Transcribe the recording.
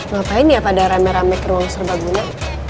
ngapain ya pada rame rame ke ruang serbaguna